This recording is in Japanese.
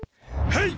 はい！